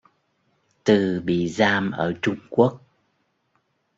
Từ bị giam ở Trung Quốc